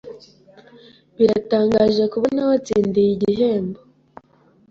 Biratangaje kubona watsindiye igihembo.